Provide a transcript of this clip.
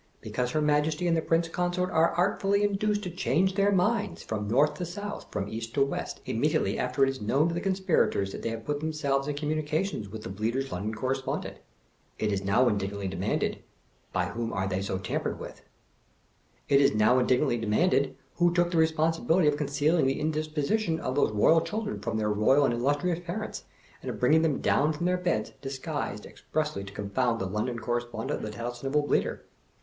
Because her Majesty and the Prince Consort are artfully induced to change their minds, from north to south, from east to west, immediately after it is known to the conspira tors that they have put themselves in communication with the Bleater's London Correspondent. It is now indig nantly demanded, by whom are they so tampered with? It is now indignantly demanded, who took the responsibil ity of concealing the indisposition of those Eoyal children from their Eoyal and Illustrious parents, and of bringing them down from their beds, disgfuised, expressly to con found the London Correspondent of The Tattlesnivel Bleat er?